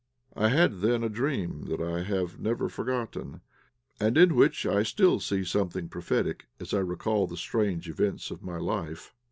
I had then a dream that I have never forgotten, and in which I still see something prophetic, as I recall the strange events of my life.